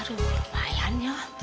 aduh lumayan ya